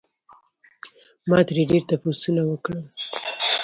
ما ترې ډېر تپوسونه وکړل